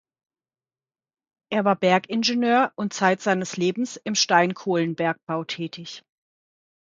Er war Bergingenieur und zeit seines Lebens im Steinkohlenbergbau tätig.